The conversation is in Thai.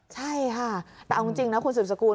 ใช่ค่ะแต่เอาจริงนะคุณสืบสกุล